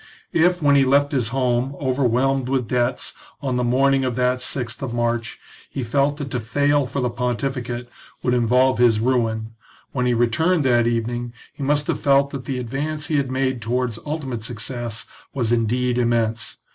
If, when he left his home, over whelmed with debts, on the morning of that sixth of March, he felt that to fail for the pontificate would involve his ruin, when he returned that evening he must have felt that the advance he had made towards ultimate success was indeed immense.